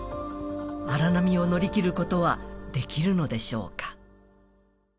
荒波を乗り切ることはできるのでしょうか。